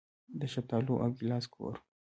د شفتالو او ګیلاس کور.